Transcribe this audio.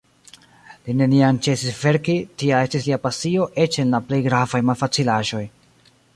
Li neniam ĉesis verki, tia estis lia pasio eĉ en la plej gravaj malfacilaĵoj.